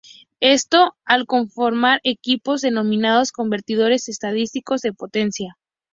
Esto al conformar equipos denominados convertidores estáticos de potencia.